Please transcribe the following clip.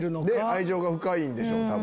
愛情が深いんでしょ多分。